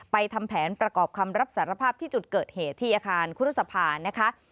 ทำแผนประกอบคำรับสารภาพที่จุดเกิดเหตุที่อาคารครุษภานะคะ